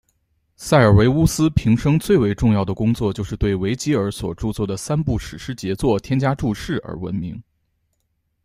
塞尔维乌斯平生最为重要的工作就是对维吉尔所着作的三部史诗杰作添加注释而闻名。